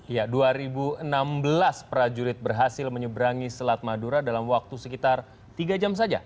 ya dua ribu enam belas prajurit berhasil menyeberangi selat madura dalam waktu sekitar tiga jam saja